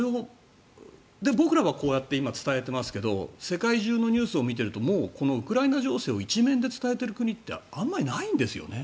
僕らはこうやって伝えていますが世界中のニュースを見ているともうウクライナ情勢を１面で伝えてる国ってあんまりないんですよね。